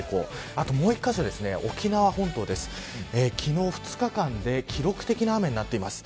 後もう１カ所沖縄本島です、昨日２日間で記録的な雨になっています。